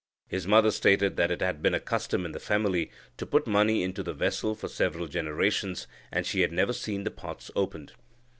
His mother stated that it had been a custom in the family to put money into the vessel for several generations, and she had never seen the pots opened.